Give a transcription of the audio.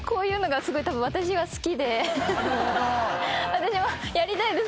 私もやりたいです